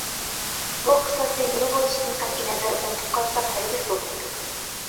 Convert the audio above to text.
بۇ قىساسنى نېمە بولۇشىدىن قەتئىينەزەر ئۇنتۇپ قالساق ھەرگىز بولمايدۇ.